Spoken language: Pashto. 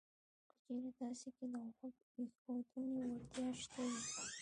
که چېرې تاسې کې د غوږ ایښودنې وړتیا شته وي